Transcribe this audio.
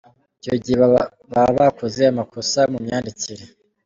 Icyo gihe baba bakoze amakosa mu myandikire.